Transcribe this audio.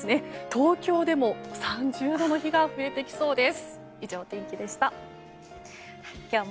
東京でも３０度の日が増えてきそうです。